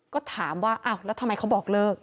ก็ถามว่าอ้าวแล้วทำไมเขาบอกเลิก